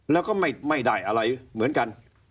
แล้วก็ไม่ได้อะไรเหมือนกัน